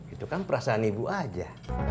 itu kan perasaan ibu aja